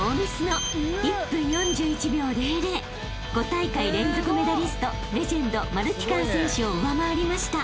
［５大会連続メダリストレジェンドマルティカン選手を上回りました］